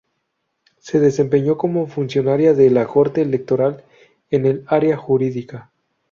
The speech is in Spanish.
Se desempeñó como funcionaria de la Corte Electoral, en el área jurídica.